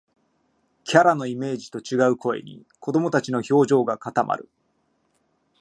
キャラのイメージと違う声に、子どもたちの表情が固まる